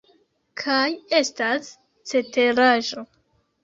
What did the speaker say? Kaj estas ceteraĵo.